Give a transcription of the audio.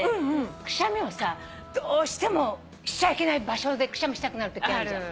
くしゃみをさどうしてもしちゃいけない場所でくしゃみしたくなるときあんじゃん。